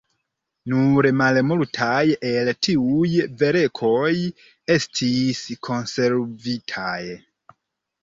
Nur malmultaj el tiuj verkoj estis konservitaj.